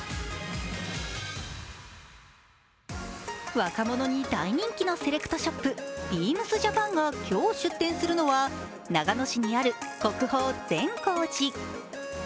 若者に大人気のセレクトショップＢＥＡＭＳＪＡＰＡＮが今日出店するのは長野市にある国宝・善光寺。